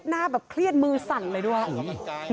หน้าแบบเครียดมือสั่นเลยด้วย